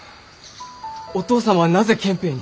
お父様はなぜ憲兵に。